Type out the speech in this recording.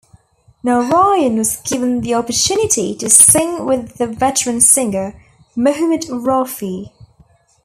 Narayan was given the opportunity to sing with the veteran singer Mohammed Rafi.